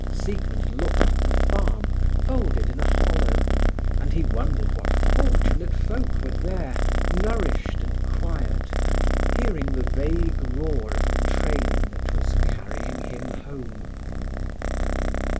Siegmund looked at the farm, folded in a hollow, and he wondered what fortunate folk were there, nourished and quiet, hearing the vague roar of the train that was carrying him home.